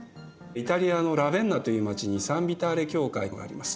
イタリアのラヴェンナという街にサン・ヴィターレ教会があります。